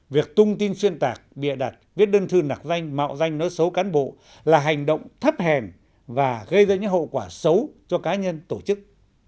việc tung tin xuyên tạc bịa đặt viết đơn thư nạc danh mạo danh nói xấu cán bộ là hành động thấp hèn và gây ra những hậu quả xấu cho cá nhân tổ chức